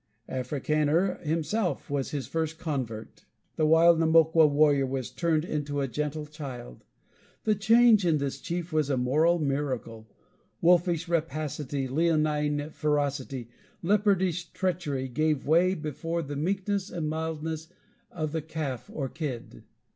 Africaner himself was his first convert. The wild Namoqua warrior was turned into a gentle child. The change in this chief was a moral miracle. Wolfish rapacity, leonine ferocity, leopardish treachery, gave way before the meekness and mildness of the calf or kid.